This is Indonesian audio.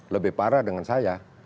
lebih parah dengan saya